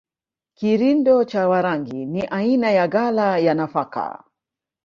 Kirindo cha Warangi ni aina ya ghala ya nafaka